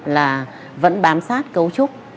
là vẫn bám sát cấu trúc